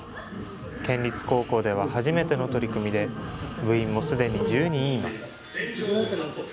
県立高校では初めての取り組みで、部員もすでに１０人います。